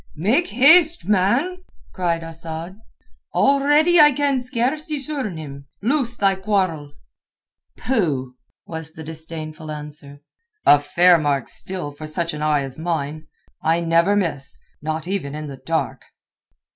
"Make haste, man!" cried Asad. "Already I can scarce discern him. Loose thy quarrel." "Pooh," was the disdainful answer. "A fair mark still for such an eye as mine. I never miss—not even in the dark."